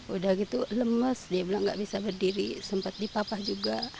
udah gitu lemes dia bilang nggak bisa berdiri sempat dipapah juga